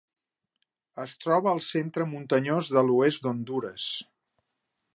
Es troba al centre muntanyós de l'oest d'Hondures.